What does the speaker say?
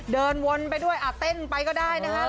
เดินวนไปด้วยเต้นไปก็ได้นะครับ